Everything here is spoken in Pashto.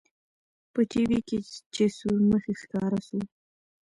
په ټي وي کښې چې سورمخى ښکاره سو.